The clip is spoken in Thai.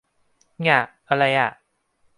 ง่ะ อะไรอ่ะ